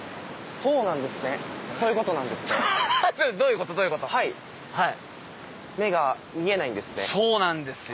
そうなんですよ。